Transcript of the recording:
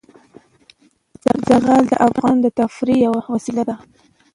زغال د افغانانو د تفریح یوه وسیله ده.